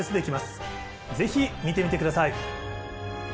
是非見てみてください。